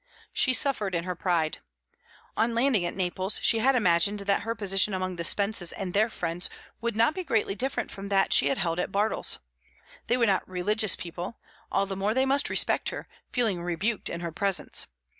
She suffered in her pride. On landing at Naples, she had imagined that her position among the Spences and their friends would not be greatly different from that she had held at Bartles. They were not "religious" people; all the more must they respect her, feeling rebuked in her presence.